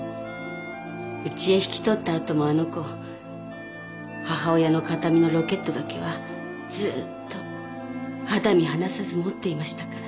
うちへ引き取った後もあの子母親の形見のロケットだけはずーっと肌身離さず持っていましたから。